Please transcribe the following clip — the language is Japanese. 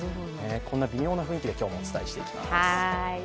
こんな微妙な雰囲気で今日もお伝えしていきます。